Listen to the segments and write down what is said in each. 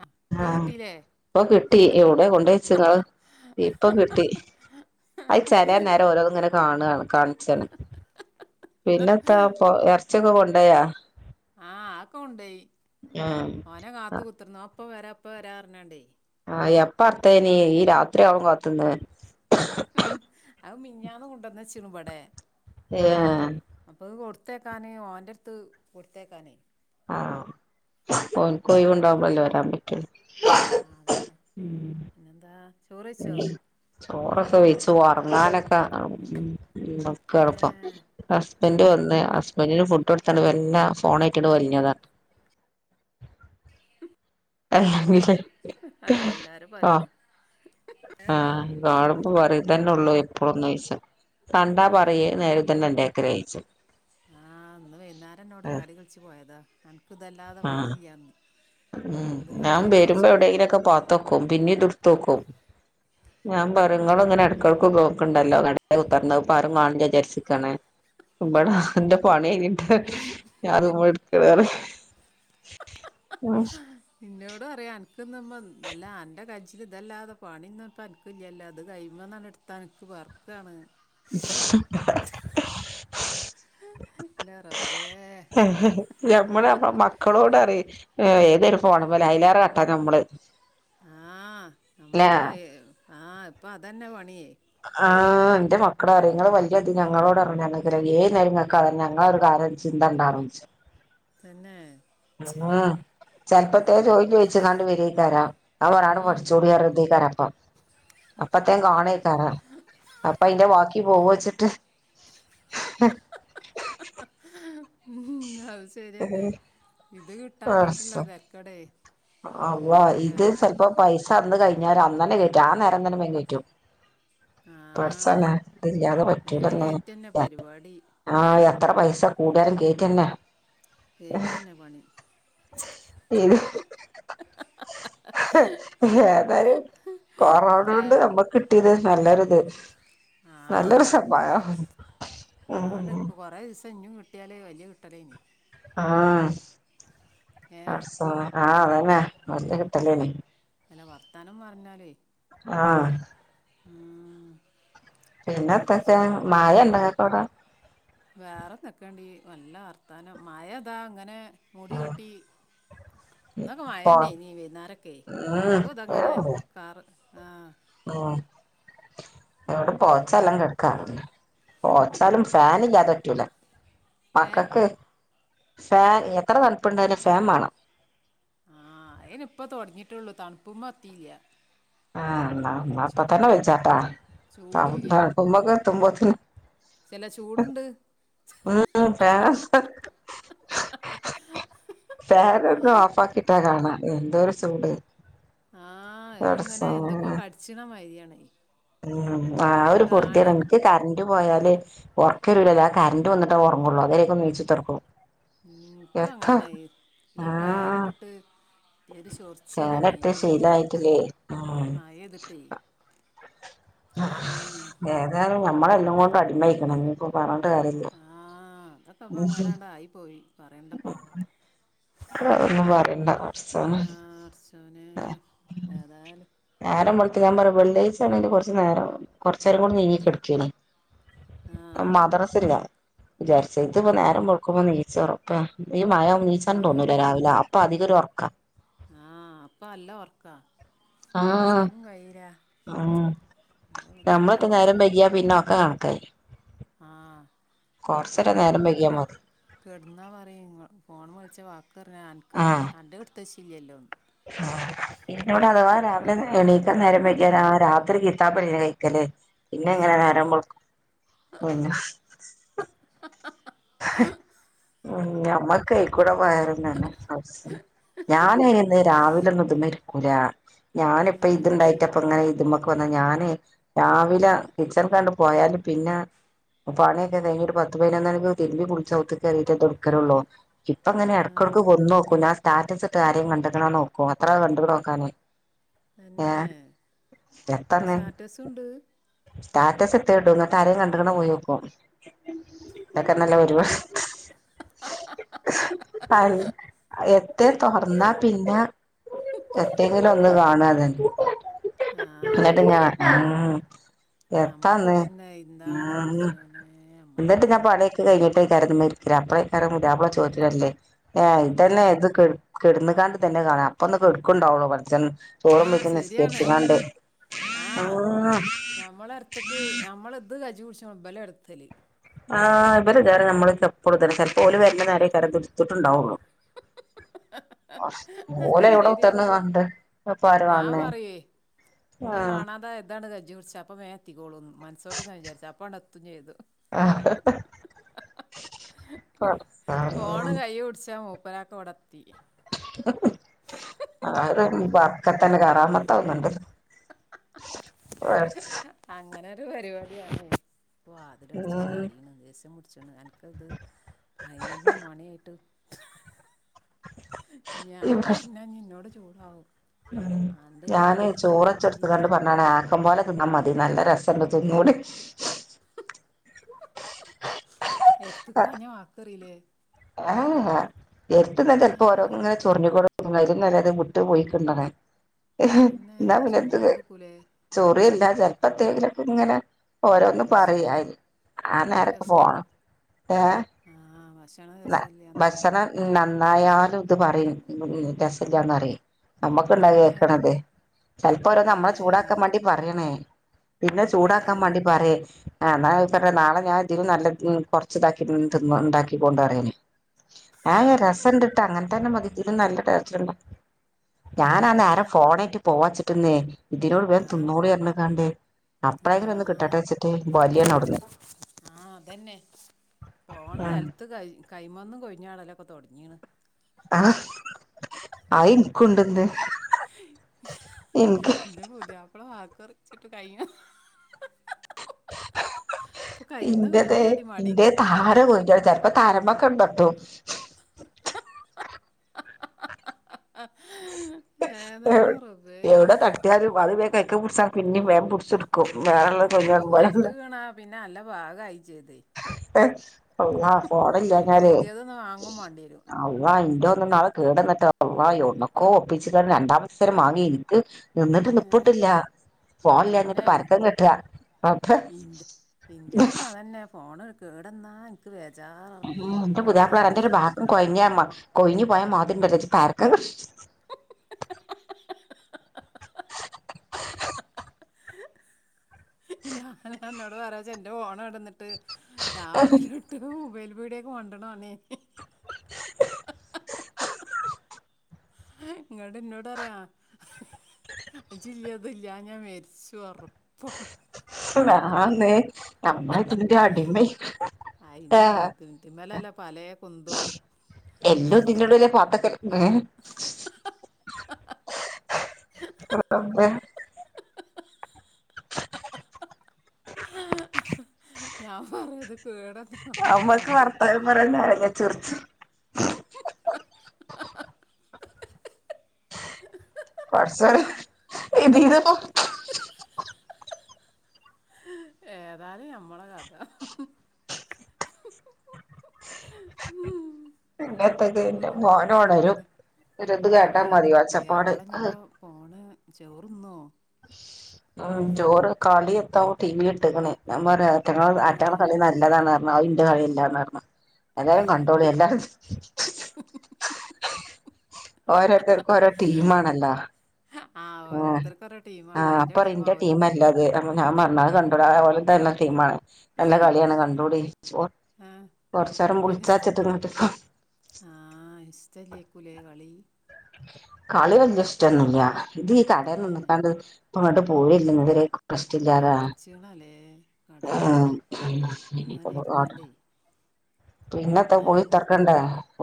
ആ, ഇപ്പൊ ആഹ് കിട്ടിയില്ലേ ഇപ്പൊ കിട്ടി എവ്ട്യൊ കൊണ്ടേച്ചതാ ഇപ്പൊ കിട്ടി. അയി ചെലെ നേരം ഓരോന്നിങ്ങനെ കാണാണ് കാണിച്ചാണ്. പിന്നെത്താ പ്പൊ എറച്ചിയൊക്കെ കൊണ്ടോയാ? ആഹ് ആ ഒക്കെ കൊണ്ടോയ്. ആഹ് ഓനെ കാത്ത് കുത്തർന്ന് ഓൻ ഇപ്പ വരാ ഇപ്പ വരാ പറഞ്ഞോണ്ടേ. ആഹ് എപ്പ അർത്തേനി ഈ രാത്രിയാവാൻ കാത്ത് ന്നത്. ഉ ഉ ഉം അത് മിഞ്ഞാന്ന് കൊണ്ടന്നച്ച്ണ് വ്വടെ. ഏഹ് കൊടുത്തയക്കാന് ഓൻ്റെടുത്ത് കൊടുത്തയക്കാനേ ആഹ് ഓന്ക്കൊയിവ്ണ്ടാവുമ്പളല്ലേ വരാൻ പറ്റൊള്ളു. ആഹ് അതന്നെ പിന്നെ എന്താ. ഉം ചോറൊക്കെ വെയ്ച്ച് ഒർങ്ങാനൊ ഏ [unintelligible] ഹസ്ബന്റ് തന്നെ വന്ന് ഹസ്ബന്റിന് ഫുഡ് കൊടു ത്തിട്ട് മെല്ല ഫോണായിട്ടിട് വലിഞ്ഞതാ. [unintelligible] അതെല്ലാരും പറയുന്നേ ആഹ് ആ കാണുമ്പോ പറിം. ഇതന്നെ ഒള്ളു ഇപ്പോന്ന് ചോയ്ച്ചും ആ കണ്ടാ പറയേ നേര തന്നെ ഇണ്ടാക്കലേ യ്ച്ചും. ആ ഇന്ന് വൈന്നേരം ഇന്നോട് ചാടി കള്ച്ച് പോയതാണ്. അൻക്ക് ഇതല്ലാതെ ആഹ് പണില്ലാന്ന്. ഉം ഞാൻ വരുമ്പോ എവിടെയെങ്കിലൊക്കെ പാത്തുക്കും പിന്നീടെടുത്തുക്കും. ഞാൻ പറയും ഇങ്ങള് ഇങ്ങനെ ഇടക്കെടക്ക് ബ്ലോക്കി‌ണ്ടല്ലോ [unintelligible] അത് ആരും കാണില്ല വിചാരിച്ചിക്കാണ്. ഇബട എന്റെ പണി കയിഞ്ഞിട്ട് ഞാ ഇതുമ്മേ [unintelligible] ആ ഇന്നോട് പറയും അനക്കിന്ന് എല്ലാ അന്റ കയിച്ചിൽ ഇതല്ലാതെ പണിന്നൊന്നും അനക്ക് ഇല്ലല്ലോ ഇത് കയ്മ [unintelligible] എടുത്താ അനക്ക് വെറക്കാണ്. [unintelligible] എൻ്റെ റബ്ബേ നമ്മ നമ്മള മക്കളോട് പറയെ ഏ ഏതൊരു ഫോണ് മ്മല് അയിലേറെ കട്ടാ നമ്മള് ആഹ് നമ്മളിപ്പ ആഹ് ഇപ്പ അതന്നെ പണിയേ ആഹ് എന്റെ മക്കളും പറയും വലിയ ഇത് ഞങ്ങളോട് പറഞ്ഞ് ഏത് നേരംങ്ങൾക്കതന്നേ ചിന്ത ഉണ്ടാവിച്ചു തന്നെ ഉം ചെലപ്പോത്തെ ചോദിച്ചങ്ങാണ്ട് വരായിക്കാരം ഉം. [unintelligible] അപ്പ അയിന്റെ ബാക്കി പോവോ വച്ചിട്ട് [unintelligible] ഉം അത് ശരിയന്നെ ഇത് കിട്ടാഞ്ഞിട്ടുള്ള പടച്ചോൻ തെരക്കേടെ അള്ളാ ഇത് ചെല്പപോ പൈസ അന്ന് കയി ഞ അന്നന്നെ കേറ്റു ആഹ് നേരന്നവേം കേറ്റും ആ പടച്ചോനെ ഇതില്ലാതെ മേ പറ്റൂലന്നേ കയറ്റന്നെ പരിപാടി ആഹ് എത്ര പൈസ കൂടിയാലും കേറ്റന്നെ കേറ്റന്നെ പണി ഇത് ഏതായാലും ഏ, കൊറോണോണ്ട് നമ്മക്ക് കിട്ടി ത് നല്ലൊരുത് നല്ലൊരു ആ [unintelligible] ഞ്ഞും കിട്ടിയാലേ വലിയ കിട്ടലേന് ആഹ് ഏ [unintelligible] ആഹ് അതന്നെ വല്യ കിട്ടലേനി അല്ല വർത്താനം പറഞ്ഞാലേ ആഹ് ഉം പിന്നെ എന്തക്കെ പഠിച്ചോ. മയ ഇണ്ട ഇങ്ങക്കവിടെ വേറെന്തെക്കണ്ടി നല്ല വർത്താനം മയതാ ഇങ്ങനെ മുടികെട്ടി ഇന്നൊക്കെ പോ മയന്നേ നീ വയ്ന്നേരൊക്കെ ഉം ഇപ്പളും ഇതങ്ങനെ കാറ് ആ ഉം ഇവിടെ ആ, പോച്ചെല്ലാം കെടക്കാ പോച്ചാലും ഫാനില്ലാതെ പറ്റൂല ഏ മക്കക്ക് ഫാൻ എത്ര തണുപ്പുണ്ടേലും ഫാൻ വേണം മയ അയിനി ഇപ്പ തൊടങ്ങിട്ടുള്ളൂ തണുപ്പ എത്തിയില്ല ആഹ് എന്ന ചൂ അപ്പ തന്നെ വെച്ചാട്ടാ ആഹ് ചൂടില്ലേ തണുക്കുമ്പക്ക എത്തുമ്പോത്തിനും ചില ചൂടുണ്ട് ഉം ഫേൻ [unintelligible] ഫാൻ ഒന്ന് ഓഫ് ആക്കിട്ടാ കാണാ എന്തൊരു ചൂട് ആഹ് ഇങ്ങനെ പടച്ചോനെ എന്തൊക്കോ കടിച്ചണ മാരിയാണ് ഉം ആഹ് ഒരു പൊർതിയാണ് എനിക്ക് കറന്റ് പോയാല് ഒറക്ക് വരൂല ഞാൻ കറണ്ട് വന്നിട്ട് ഒറങ്ങൊള്ളൊ അത് വരെക്ക് ണീച്ചു കുത്ത്ർക്കും ഒക്കെഅങ്ങനെ ഈ ആഹ് പാനിട്ടിട്ട്. ഒരു ചൊർച്ചിയില് ഫാനിട്ട് മേല് എന്തൊക്കെ ശീലായിട്ടില്ലേ ഉം മയേ തിട്ടേ ഏതായാലും ഞമ്മളെല്ലാം കൊണ്ടും അടിമയിക്കണ് നിപ്പോ പറഞ്ഞണ്ട കാര്യല്ല. ആ അതൊക്കെ അപ്പ അങ്ങനൊണ്ടായി പോയി പറയണ്ടപ്പ ആഹ് ഒന്നും പറയണ്ട പടച്ചോനെ ആ അർച്ചോനെ ഏതായാലും നേരം വളത്ത ഞാൻ പറ വെള്ളാഴ്ച ആണെങ്കിൽ കുറച്ച നേരം കൊറച്ച നേരം കൂടി നീങ്ങ കിടക്കെനി ആ മദ്രസ ഇല്ല. വിചാരിച്ച ഇതിപ്പോ നേരം വെക്കുമ്പോ നീച്ച ഉറപ് ഈ മഴം നീച്ച ആ കൻ തോന്നൂില്ല രാവിലെ അപ്പൊ അധികം ഉറക്കാ. ആ അപ്പ അല്ല ഉർക്കാ. ആഹ അ എൻ്റെ പുതിയാപ്പള നമ്മളത്ര നേരം വേണമെങ്കിൽ വൈകിയ പിന്നെ ഒക്കെ കാണ കയി ആ നേരം പുതിയാപ്പളഞ്ഞി വൈകിയാ മതി കിടന്നാ പറയും ഫോണൊമേ കളിച്ച ചീത്ത പറഞ്ഞ അനക്ക് അന്റെ അടുത്ത് വെച്ചില്ലല്ലോ. ആ ഇന്നോട് അഥവാ രാവിലെ എണീക്കൻ നേരം വെയിക്കി ആ രാത്രി ഇത്താപ്പെ കഴിക്കല്ലേ പിന്നെ ങ്ങനെ നേര വെൾക്കും [unintelligible] ഞമ്മക്കയിക്കൂടെ പോയരുന്നന്നെ അവസ ഞാന് ന്ന് രാവില ന്നും ഇതരിക്കൂല. ഞാനിപ്പ ഏഹ്. ത്ണ്ടായിട്ടപ്പ ഇങ്ങനെ ഇതുമൊക്കെ ഞാന് രാവിലെ ഉം. കിച്ചൺ കണ്ട് പോയാല്. പിന്നെ പണിയൊക്കെ തങ്ങിട്ട് പത്ത് പയ്‌ന്മണി തീര്ബി കുളിച് ആവുത്ക്ക് കയറിട്ട എടുക്കലള്ളു. ഇപ്പൊ അങ്ങനെ ഇടക്ക ഇടക്ക് കൊന്നു നോക്കൂ ആഹ്. ആ സ്റ്റാറ്റസ് ഇട്ടത് ആരെങ്കിലും. ക കണ്ടണ നോക്കും അത്ര കണ്ട നോക്കാനെ ഏ സ്റ്റാറ്റസ് ട് സ്റ്റാറ്റസ് ഇടത്ത് ഇടും എന്നിട്ട് ആരേും കണ്ട്ക്ക്ണൊ ന്ന് പോയൊക്കും. ഇതൊക്കെ നല്ല ഒരുവ [unintelligible] അ എത്ര തുൊറന്നാ പിന്നെ എറ്റങ്കിലും ഒന്നും കാണാതന്നെ [unintelligible] ന്നിട്ട് ഞാൻ ആഹ്. നമ്മുക്ക് എത്താന്ന് തന്നെ ന്താണ് ഉം പഠിച്ചോന നമ്മളെ കഥ. [unintelligible] അപ്ലൈക്കാരം പുതിയാപ്പിള ചോറ്റിന് വരല്ല്. എ ഇതെന്നെ [unintelligible] തന്നെ കാണ അപ്പന്നൊക്കെ എടുക്കുണ്ടാവുള്ളു. ഭ ചോറും വയിച് നിസ്കരിച്ച്കണ്ട്. ആഹ ഞമ്മള ടുത്തക്ക് ഞമ്മള ത് കജി പിടിച്ച മബലം എടുത്ത്. ആ ഇവര് നേറെ നമ്മള് എപ്പോഴും. തന്നെ ചിലപ്പോ അവര് വരണ നേരെ കരം ഇടുത്തിട്ടുണ്ടാവുള്ളു. അത് ഓലെ വടെ ശരിയാ. ഉത്തർന്ന് കണ്ട് ഇപ്പരു കാണ് ഇനി കാണാത ഇതാണ് കജി പുടിച അപ്പ മേ എത്തിക്കോളൂന്ന്. മനസ്സോട്ട ക ചാരിച്ച അപ്പ എത്തും ചെയ്തു. ആആ [unintelligible] [unintelligible] തൊടത്തി [unintelligible] ബർക്കത്ത്. കറാമത്താവുന്ന്ണ്ട്. [unintelligible] അങ്ങനെ ഒരു പരിപാടിയാണ വാതില് അടിച്ചു ഉം ചാരിണ് ദേസംടിച്ച്. പതിനതിനൊന്ന് മണിയിട്ടും ഞാൻ പറഞ്ഞ നിന്നോട് ചൂടാവും. ഉ അന്റെ ഞാന് കഴിഞ്ഞില്ല ചോറച്ചെ അൻക്ക് ഇജ്ജ് ടുത്ത ഇന്നെ കണ്ട് പറഞ്ഞാണ്. ആക്കം പോലെ ആ മതി നല്ല രസണ്ട് തിന്നൂട്. എത്ത് നിക്കാഞ വക്കറില്ലേ? [unintelligible] എഴുത്തുനിന്ന ഏ ചേലപ്പോ ഓരോ ങ്ങനെ ചൊറിഞ്ഞു കൊണ്ടുനികും. [unintelligible] വിട്ടു പോയി കിണ്ടണേ ഹെ എന്നെ ന്നാ പിന്നെ എന്ത് ചൊറിഞ്ഞോണ്ട്ക്കൂലേ ചോറിയല്ലാ ചെിലപ്പത്തേകിലൊക്കെ ങ്ങനെ. ഓരോന്നും ഭക്ഷ പറയാ ആ ഉറ്റ നേരക്ക് രസ പോണം ഏ ആ ഭക്ഷണ ഭ രസല്ലാന്ന്ലേ ഭക്ഷണം നന്നായാലും ഇത് പറിം രസല്ലാന്നറീം. നമ്മക്ക്ണ്ടാ അഅ്‌ തന്നെ കേക്കണത് ചെലപ്പോ ഓരോ ഏ നമ്മളെ ചൂടാക്കാൻ മാണ്ടി പറ്യാണ്. പിന്നെ ഏ ചൂടാക്കാം മാണ്ടി പറ്യേ ആഹ് എന്നാ പറ നാളെ ഞാൻ ഇതിലും നല്ല കുറച്ച് ഇതാക്കിയിട്ടുണ്ട് [unintelligible] ആ രസംണ്ട്ട്ടാ അങ്ങന തന്നെ മതി തിലുംനല്ല ടെസ്റ്റ് - ഞാനാന്ന നേരെ ഏ ഫോണേട്ട് പോവാച്ചിട്ടന്നെ. ഇതിനോട് വേൻ ആ തിന്നുടിറിഞ്ഞിങ്ങണ്ട്. അപ്പഴെ കിന് എങ്ങനെ ഒന്ന് കിട്ടട്ടെ ആ വെച്ചിട്ട് വലിയാണ് അവിടുന്ന്. ആഹ് അതെന്നെ പോവണ നെല്ത്ത്. കൈമന്നും കൊയ്ഞാടലൊക്കെ തൊടങ്ങിണ്. ആ അയിൻക്കുണ്ട്ന്ന്. ഇന്റെ പുതിയാപ്പളാ വാക്കർ ച്‌ട്ടുകയ്യും ഇന്റെതെ കൊഴിഞ്ഞാടി ഇന്റെ മടീക്കെത്തീനി താനെ പറയും കോയ് ഞ്ഞാടും ചെലപ്പ പാരമ്മേ കൊണ്ടെത്തും എവ് ഏതായാലും റബ്ബേ എവടെ തട്ട്യാലും അത് വേ കൈക്കെ പുടിച്ച പിന്നിം വേം പുട്ച്ചും. അത് വൗ നെല്ത്ത് വീണാ പിന്നെ നല്ല പാകയി ചെയ്ത്. അള്ളാ ഫോണില്ലാ പിന്നെ ഞാല് പുതിയതൊന്ന് വാങ്ങും വാണ്ടിയരും അല്ലാഹ് ഇന്റെ ഇന്നാള് കേടന്ന്ട്ടെ അല്ലാഹ് യൗട് ന്‌ക്കോ ഒപ്പിച്ച് ങ്ങാണ്ട് രണ്ടാമത്ത് ഫോൺ മാങ്ങി എനിക്ക്. എന്ന്ട്ട് ഏഹ് നിപ്പ്ട്ടില്ല. ഫോണില്ലാഞ്ഞിട്ട് തന്നെ പരക്കം കെട്ടാ അപ്പ ഇന്റെ ഇന്റെതിപ്പോ അതന്നെ ഫോണ് കേടന്നാ ഇൻക്ക് വേ ഉം ന്റെ പുതാപ്പളാ പറ്യ അൻ്റൊരു ഭാഗം കൊയ്ഞ്ഞ് പോയാ മാതിരിണ്ടല്ലോ ജ്ജ് പരക്കെ ഞൻ അന്നോട് പറ്യാചാ ന്റെ ഫോണെടന്നിട്ട് രാവിലൊട്ട് മൊബൈൽ. പീടേക്ക് മണ്ട്ണ പണ്യേ നി ഇങ്ങട്ട് ഇന്നോടറ്യാ. ജില്യേ അത് ല്യാഞാ മെരിച്ചു ഒറ ആന്ന് ഞമ്മളതിന്റെ അടിമയ് [unintelligible] അയിനെ ത്‌ത് മലല്ലേ പലെ എല്ലോ ഇതിന്റുള്ളില് പാത്തക്കല് ഏ റബ്ബേ ണാം പർഞ്ഞത് കേട നമ്മളെ ഞമ്മക്ക് കഥ വർത്താനം പറ്യാൻ നേരല്ല ചിർച്ച്. പക്ഷെ ഇതിന്ന് പ്പം ഏതാലും നമ്മളെ കഥ പിന്നത്തെക്കെ ഇന്റെ പുതി- മോനോണരും. പിന്നെ ഒരിത് കേട്ടാ പിന്നെ മതി ഒച്ചപ്പാട് പുതിയപ്പളഞ്ഞ്പ്പോ ഫോണ് ചോറ്ന്നോ? പ്പൊ ടി വി ട്ട്ക്ക്ണ് ഞാം പറ്യാ ആറ്റങ്ങളെ ഏ ആറ്റങ്ങളെ കളി നല്ലതാണ ഉം അയിൻ ൻ്റെ കള്യല്ലാന്നർഞ്ഞ് എത്യാലും കണ്ടോളി എല്ലാരും [unintelligible] ഓരോര്ത്തർക്കും ഓരോ ടീമാണല്ലാ. ആ ഓരോരുത്തർക്ക് ഓരോ ആ ടീമാണ് അതിൻ്റെ അപ്പറീം ന്റെ ടീമാവില്ലെന്ന് ടീംമല്ലത്. അഅ് കണ്ടട ഓൽ തല്ല ടീമാ നല്ല കള്യാണ് കണ്ടൂടി ചോ ആ അയ്നിസ് ആ അയ്നിസ്റ്റലേക്കുലെ കളി. കളി വെല്ല്യെ ഇഷ്ടെന്നുല്ല ഇത് ഈ ഏ കടേ നിന്ന്ക്കാണ്ട് പ്പങ്ങട്ട് പോയില്ലങ്കില് കഷ്ടില്യാലേ ചടച്ചിണല്ലേ കടല് ഇനിയിപ്പോ ഇങ്ങനെ എന്തേലു ആട്ടെ ഇരുന്നാണ്ടേ പിന്നെത്തെ പോയി നേരം വെളുത്ത ഉത്തറക്കണ്ടേ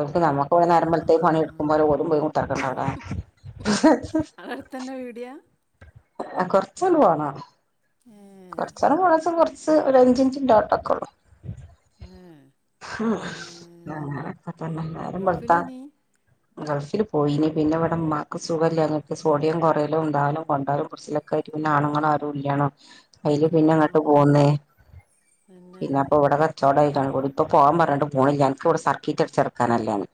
ഒക്ക് നമുക്ക് പോ ആ നേരമ്പേള്ത്തേക് പണിയെടുക്കും പോല ഓരും പോയിത്തറക്ക അതേലെ അവിടെ തന്നെ വീടിയാ ആ കൊർച്ചണ്ട് പോണം ഏ കൊർച്ചണ്ട് പോണച്ച കൊറ സ് ഒടെ [unintelligible] ഹമ് ഏ, അങ്ങനെയൊകെത്തന്നെ നേരംവെള്ത ഗൾഫിലേ നീ ഗൾഫിൽ പോയിനി പിന്നെ ഇവിടെ മാക്ക് സുഖമല്ലങ്ങക്ക് സോഡിയം കൊറെേലും ന്താകലും കൊണ്ടാലും പുടിച്ചാലോകെ ആയിട്ട് പിന്നെ ആണുങ്ങ ആരുഇല്യാണു അയിൽ ആ പിന്നെ ഇങ്ങട്ട് പോന്നേ തന്നെ പിന്നെ അപ്പൊ ഇവിടെ കച്ചവട [unintelligible] ഇപ്പോ പോവാൻ പറഞ്ഞിട്ട് പോണില്ല എനിക്കിവിടെ സർക്കിറ്റ് അടി കാണാറില്ല്യാന്ന്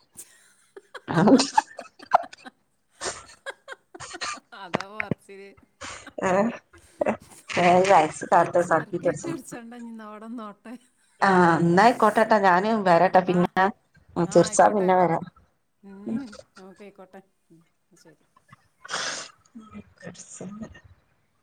അതാ പറിച്ചില് ആ സർക്കിട്ട് സർക്കിറ്റ് അടിച്ചണം അടിച്ചോണ്ട് ഇഞ്ഞിന്ന അവിടന്നോട്ടെ ആ ഇന്നായികോട്ടേട്ടോ ഞാനിപ്പം വരട്ട ആ പിന്നെ ആ ചിരിച്ചൻ ആയിക്കോട്ടെ പിന്നെ വരാം ഉം നമുക്കായിക്കോട്ടെ ഉം ശരി [unintelligible]